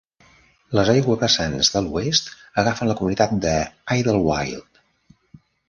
Les aiguavessants de l'oest agafen la comunitat de Idyllwild.